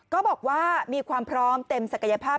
ก็บอกว่ามีความพร้อมเต็มศักยภาพ